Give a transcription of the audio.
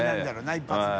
一発目で。